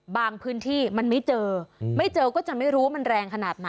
บางพื้นที่มันไม่เจอ